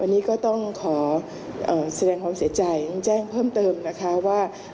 วันนี้ก็ต้องขอแสดงความเสียใจแจ้งเพิ่มเติมนะคะว่า